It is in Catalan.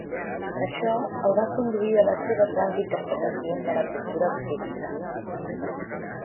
Això el va conduir a les seves grans interpretacions de la cultura occidental.